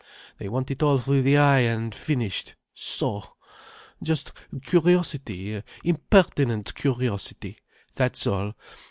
They want it all through the eye, and finished—so! Just curiosity, impertinent curiosity. That's all.